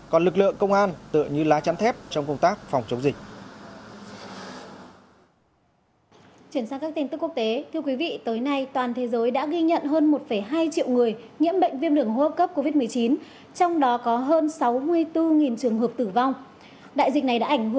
còn lực lượng công an tự như lá chắn thép trong công tác phòng chống dịch